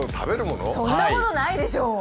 そんなことないでしょう？